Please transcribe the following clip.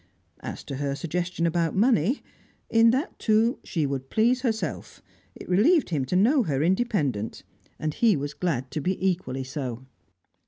As to her suggestion about money, in that too she would please herself; it relieved him to know her independent, and he was glad to be equally so.